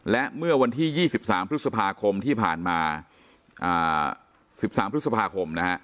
และเมื่อวันที่๒๓พฤษภาคมที่ผ่านมา๑๓พฤษภาคมนะฮะ